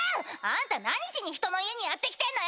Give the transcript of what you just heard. あんた何しにひとの家にやって来てんのよ！